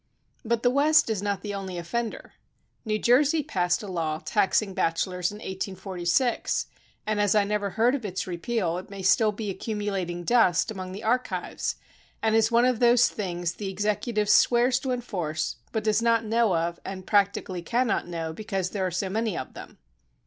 But the West is not the only offender. New Jersey passed a law taxing bachelors in 1846, and as I never heard of its repeal, it may be still accumulating dust among the archives, and is one of those things the exec utive swears to enforce, but does not know of and practically cannot know because there are so many of them.